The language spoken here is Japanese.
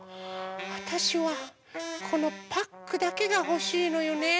あたしはこのパックだけがほしいのよね。